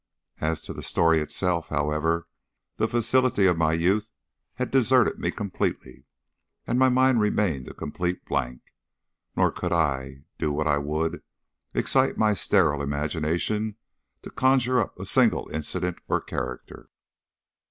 As to the story itself, however, the facility of my youth had deserted me completely, and my mind remained a complete blank; nor could I, do what I would, excite my sterile imagination to conjure up a single incident or character.